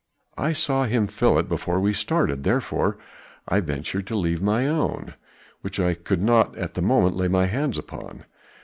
I saw him fill it before we started, therefore I ventured to leave mine own, which I could not at the moment lay my hands upon.